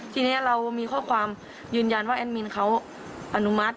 ทีนี้เรามีข้อความยืนยันว่าแอดมินเขาอนุมัติ